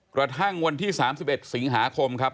กระทั่งวันที่๓๑สิงหาคมครับ